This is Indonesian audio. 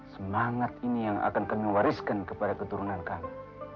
semangat ini yang akan kami wariskan kepada keturunan kami